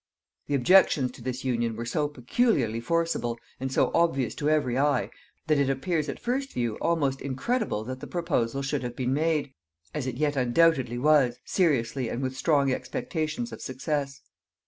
The objections to this union were so peculiarly forcible, and so obvious to every eye, that it appears at first view almost incredible that the proposal should have been made, as it yet undoubtedly was, seriously and with strong expectations of success.